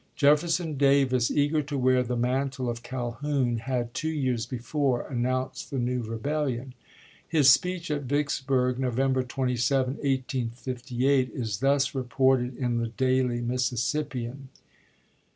Jefferson Davis, eager to wear the mantle of Calhoun, had two years before announced the new rebellion. His speech at Vicksburg, No vember 27, 1858, is thus reported in the " Daily Mississippian."